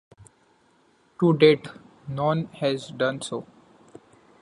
To date, none has done so.